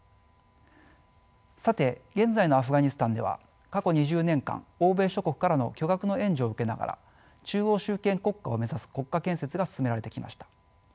さて現在のアフガニスタンでは過去２０年間欧米諸国からの巨額の援助を受けながら中央集権国家を目指す国家建設が進められてきました。